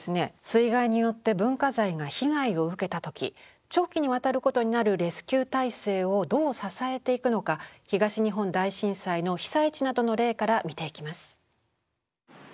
水害によって文化財が被害を受けた時長期にわたることになるレスキュー体制をどう支えていくのか東日本大震災の被災地などの例から見ていきます。